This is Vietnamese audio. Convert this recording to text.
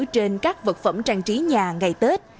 trên các vật phẩm trang trí nhà ngày tết